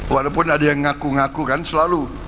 walaupun ada yang ngaku ngaku kan selalu